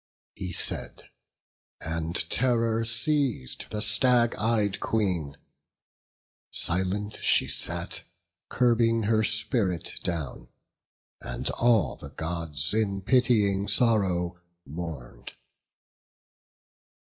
He said, and terror seiz'd the stag ey'd Queen: Silent she sat, curbing her spirit down, And all the Gods in pitying sorrow mourn'd.